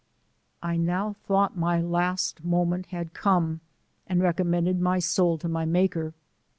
I now thought my last moment had come, and recommended my soul to my Maker.